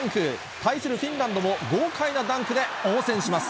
対するフィンランドも豪快なダンクで応戦します。